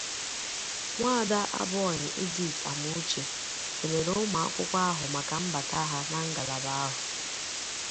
Nwaada Abonyi Edith Amuche kèlere ụmụakwụkwọ ahụ maka mbàta ha na ngalaba ahụ